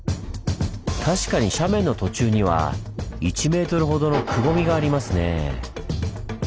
確かに斜面の途中には１メートルほどのくぼみがありますねぇ。